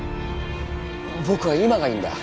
僕は今がいいんだ。